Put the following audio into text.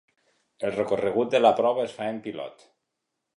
El recorregut de la prova es fa en pilot.